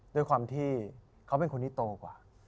แต่ว่าเขาเป็นคนที่โตกว่า